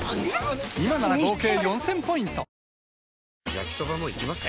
焼きソバもいきます？